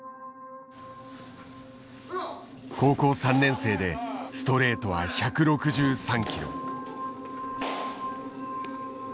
高校３年生でストレートは１６３キロ。